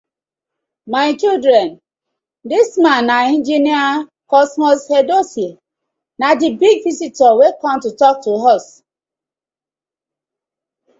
My children, dis man na Engineer Cosmas Edosie, na di big visitor wey com to tok to us.